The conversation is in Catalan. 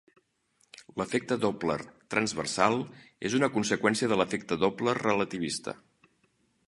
L'efecte Doppler transversal és una conseqüència de l'efecte Doppler relativista.